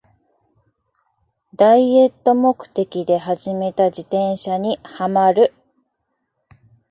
ダイエット目的で始めた自転車にハマる